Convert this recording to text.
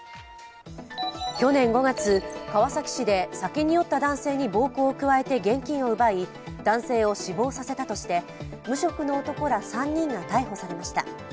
去年５月、川崎市で酒に酔った男性に暴行を加えて現金を奪い、男性を死亡させたとして無職の男ら３人が逮捕されました。